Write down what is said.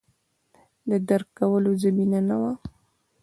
د درک کولو زمینه نه وه